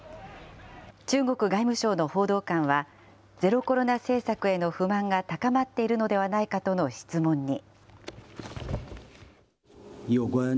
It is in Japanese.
中国外務省の報道官は、ゼロコロナ政策への不満が高まっているのではないかとの質問に。